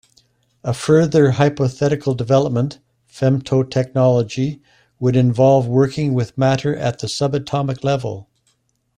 A further hypothetical development, femtotechnology, would involve working with matter at the subatomic level.